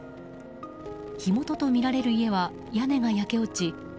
火元とみられる家は屋根が焼け落ち